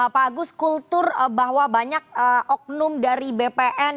pak agus kultur bahwa banyak oknum dari bpn